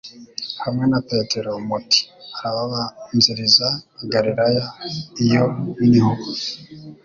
hamwe na Petero muti: arababanziriza i Galilaya, iyo ni ho